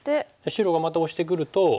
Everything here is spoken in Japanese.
白がまたオシてくると。